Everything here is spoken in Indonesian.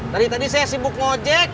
dari tadi saya sibuk nge ojek